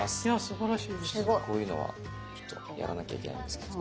ちょっとこういうのはちょっとやらなきゃいけないんですけど。